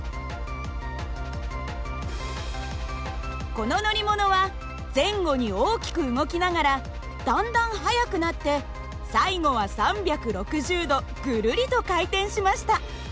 この乗り物は前後に大きく動きながらだんだん速くなって最後は３６０度ぐるりと回転しました。